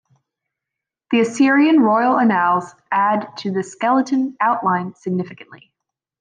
The Assyrian royal annals add to this skeleton outline significantly.